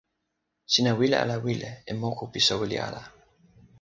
sina wile ala wile e moku pi soweli ala?